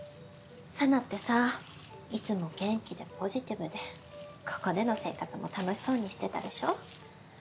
沙奈ってさいつも元気でポジティブでここでの生活も楽しそうにしてたでしょ。